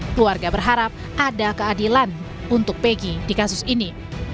keluarga berharap ada keadilan untuk pegi di kasus ini